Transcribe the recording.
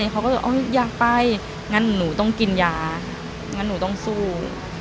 เขาก็เลยอยากไปงั้นหนูต้องกินยางั้นหนูต้องสู้